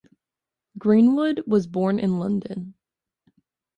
Greenwood was born in London.